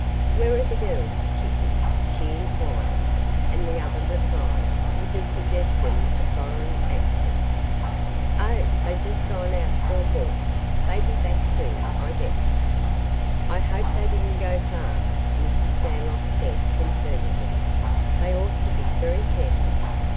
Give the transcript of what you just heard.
"Where are the girls, Kittie?" she inquired, and the other replied, with a suggestion of foreign accent: "Oh, they just gone out for a walk. They be back soon, I guess." "I hope they didn't go far," Mrs. Stanlock said, concernedly. "They ought to be very careful.